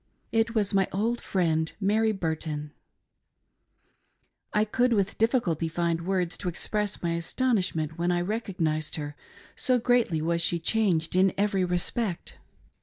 It was my old friend Mary Burton ! I could with difficulty find words to express my astonish ment when I recognised her, so greatly was she changed in every respect.